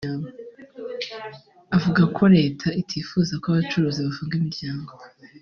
avuga ko Leta itifuza ko abacuruzi bafunga imiryango